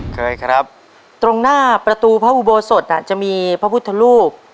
เคยครับตรงหน้าประตูพระอุโบสถจะมีพระพุทธรูป